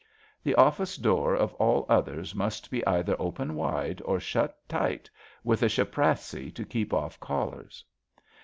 The office door of all others must be either open wide or shut tight with a shaprassi to keep off callers.